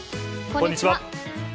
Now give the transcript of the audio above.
こんにちは。